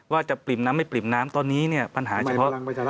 ว่าจะปริ่มน้ำไม่ปริ่มน้ำตอนนี้ปัญหาเฉพาะ